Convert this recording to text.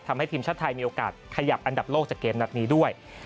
ทำให้ทีมชาติไทยมีโอกาสขยับอันดับโลกจากเกมนัดนี้ด้วย